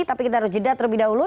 tapi kita harus jeda terlebih dahulu